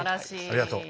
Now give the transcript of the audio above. ありがとう。